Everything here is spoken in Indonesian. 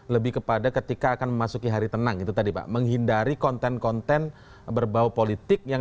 lebih kepada ketika akan memasuki hari tenang itu tadi pak menghindari konten konten berbau politik yang